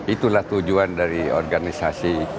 itulah tujuan dari organisasi